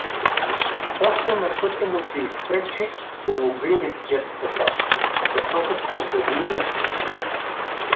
После на пътя му се изпречи белогривестият петел, гъсокът пропъди и него.